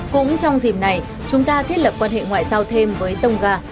cũng trong dìm này chúng ta thiết lập quan hệ ngoại giao thêm với tông gà